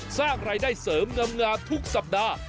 สร้างรายได้เสริมงามทุกสัปดาห์